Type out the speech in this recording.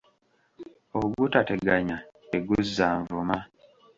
Ogutateganya teguzza nvuma.